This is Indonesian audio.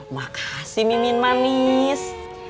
makasih mimin manis